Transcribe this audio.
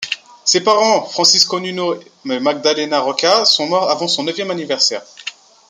Ses parents, Francisco Nunó et Magdalena Roca, sont morts avant son neuvième anniversaire.